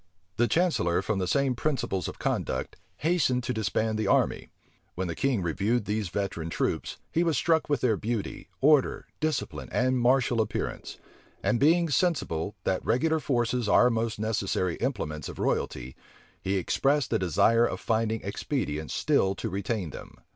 The chancellor, from the same principles of conduct, hastened to disband the army. When the king reviewed these veteran troops, he was struck with their beauty, order, discipline, and martial appearance; and being sensible, that regular forces are most necessary implements of royalty, he expressed a desire of finding expedients still to retain them.